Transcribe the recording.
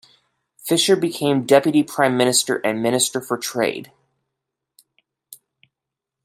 Fischer became Deputy Prime Minister and Minister for Trade.